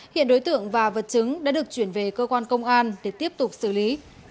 hiện đối tượng và vật chứng đã được chuyển về cơ quan công an để tiếp tục xử lý